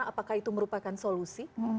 apakah itu merupakan solusi